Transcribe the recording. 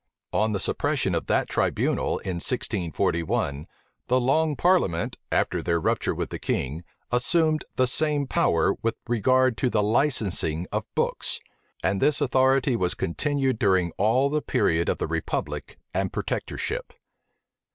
On the suppression of that tribunal in 1641, the long parliament, after their rupture with the king, assumed the same power with regard to the licensing of books; and this authority was continued during all the period of the republic and protectorship.